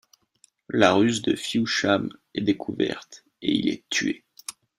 La ruse de Fewsham est découverte et il est tué.